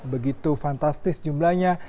begitu fantastis jumlahnya